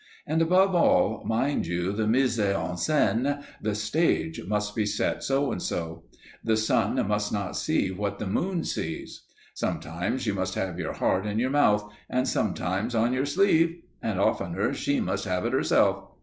And above all, mind you the mise en scène, the stage must be set so and so; the sun must not see what the moon sees. Sometimes you must have your heart in your mouth, and sometimes on your sleeve, and oftener she must have it herself.